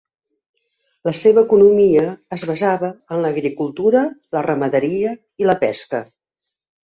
La seva economia es basava en l'agricultura, la ramaderia i la pesca.